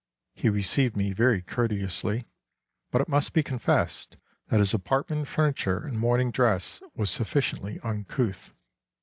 He received me very courteously; but it must be confessed that his apartment and furniture and morning dress was sufficiently uncouth.